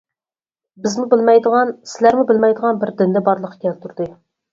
بىزمۇ بىلمەيدىغان، سىلەرمۇ بىلمەيدىغان بىر دىننى بارلىققا كەلتۈردى.